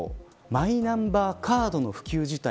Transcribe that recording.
マイナンバーカードの普及自体